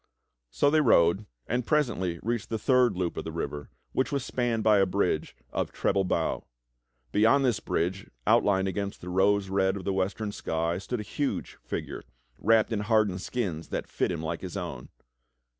So they rode and presently reached the third loop of the river, which was spanned by a bridge of treble bow. Beyond this bridge, outlined against the rose red of the western sky, stood a huge figure wrapped in hardened skins that fit him like his o^vn.